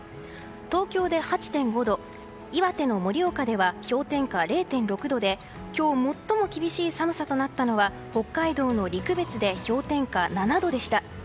東京で８．５度岩手の盛岡では氷点下０．６度で今日最も厳しい寒さとなったのは北海道の陸別で氷点下７度でした。